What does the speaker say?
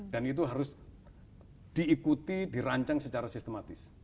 dan itu harus diikuti dirancang secara sistematis